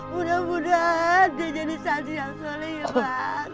mudah mudahan dia jadi saksi yang sholeh emak